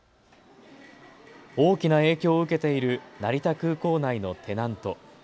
大きな影響を受けている成田空港内のテナント。